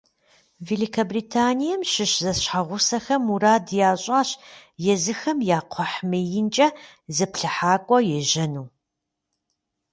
Великобританием щыщ зэщхьэгъусэхэм мурад ящӏащ езыхэм я кхъухь мыинкӏэ зыплъыхьакӏуэ ежьэну.